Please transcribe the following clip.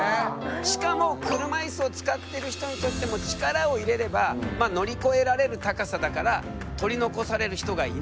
しかも車いすを使ってる人にとっても力を入れればまあ乗り越えられる高さだからへえ。